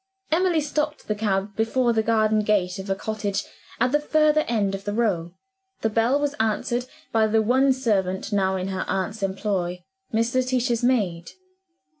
Emily stopped the cab before the garden gate of a cottage, at the further end of the row. The bell was answered by the one servant now in her aunt's employ Miss Letitia's maid.